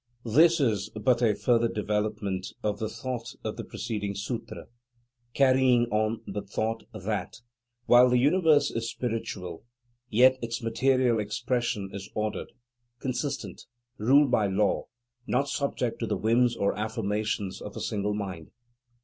This is but a further development of the thought of the preceding Sutra, carrying on the thought that, while the universe is spiritual, yet its material expression is ordered, consistent, ruled by law, not subject to the whims or affirmations of a single mind.